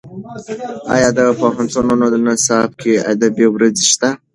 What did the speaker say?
ایا د پوهنتونونو نصاب کې ادبي ورځې شته؟